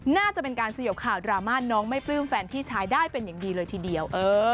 น่าจะเป็นการสยบข่าวดราม่าน้องไม่ปลื้มแฟนพี่ชายได้เป็นอย่างดีเลยทีเดียว